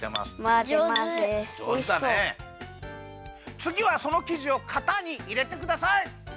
つぎはそのきじをかたにいれてください。